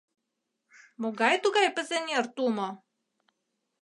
Могай тугай Пызеҥер тумо?